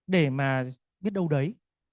để mà biết đâu đấy